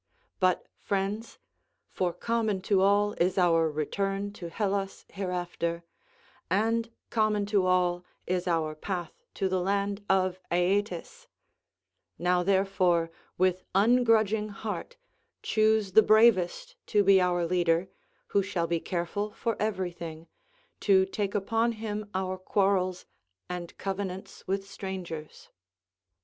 But, friends,—for common to all is our return to Hellas hereafter, and common to all is our path to the land of Aeetes—now therefore with ungrudging heart choose the bravest to be our leader, who shall be careful for everything, to take upon him our quarrels and covenants with strangers."